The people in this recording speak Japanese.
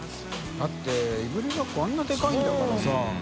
世辰いぶりがっこあんなでかいんだからさ。